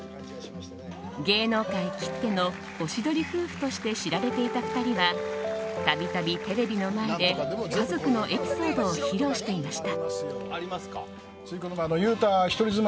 芸能界きってのおしどり夫婦として知られていた２人は度々テレビの前で家族のエピソードを披露していました。